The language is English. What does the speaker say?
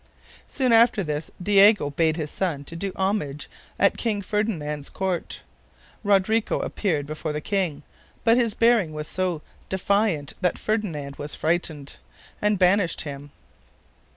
Soon after this Diego bade his son do homage at King Ferdinand's court. Rodrigo appeared before the king, but his bearing was so defiant that Ferdinand was frightened, and banished him.